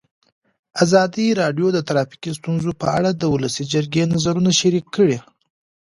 ازادي راډیو د ټرافیکي ستونزې په اړه د ولسي جرګې نظرونه شریک کړي.